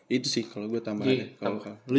itu sih kalau gue tambahin